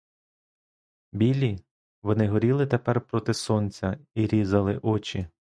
Білі, вони горіли тепер проти сонця і різали очі.